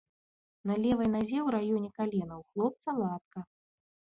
На левай назе ў раёне калена ў хлопца латка.